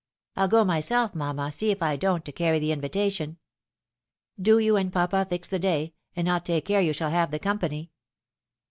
I'll go myself, mamma, see if I don't, to carry the invita tion. Do you and papa iix the day, and I'll take care you shall have the company."